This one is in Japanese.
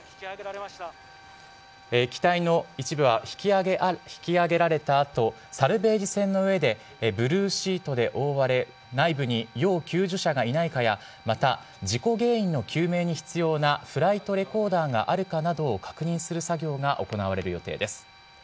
機体の一部は引き揚げられたあと、サルベージ船の上でブルーシートで覆われ、内部に要救助者がいないかや、また事故原因の究明に必要なフライトレコーダーがあるかなどを確認する作業が行われる予定です。